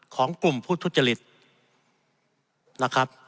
ของกลุ่มผู้ทุจริตนะครับ